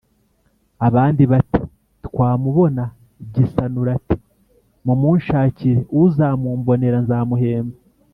abandi, bati: «twamubona». gisanura ati: «mumunshakire, uzamumbonera nzamuhemba».